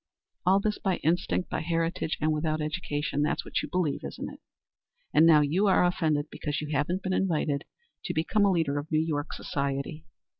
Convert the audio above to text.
All this by instinct, by heritage, and without education. That's what you believe, isn't it? And now you are offended because you haven't been invited to become a leader of New York society.